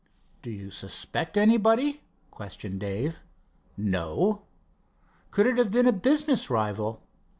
"Do you suspect anybody?" questioned Dave. "No." "Could it have been a business rival?"